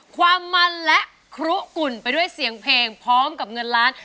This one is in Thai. ความมันและคลุกลุ่นไปด้วยเสียงเพลงพร้อมกับเงินล้าน